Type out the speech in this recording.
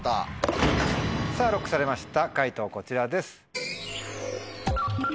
さぁＬＯＣＫされました解答こちらです。